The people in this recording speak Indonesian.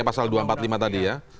pasal dua ratus empat puluh lima tadi ya